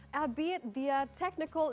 apapun dengan masalah teknis yang